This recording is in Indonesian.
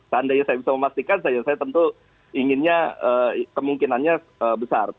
wilderness biasa memastikan saja pada inginnya kemungkinannya besar